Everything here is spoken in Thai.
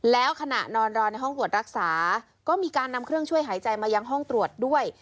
แล้วขณะนอนรอในห้องตรวจรักษาก็มีการนำเครื่องช่วยหายใจมายังห้องตรวจด้วย